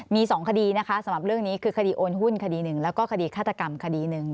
มี๒คดีนะคะสำหรับเรื่องนี้คือคดีโอนหุ้นคดีหนึ่งแล้วก็คดีฆาตกรรมคดีหนึ่ง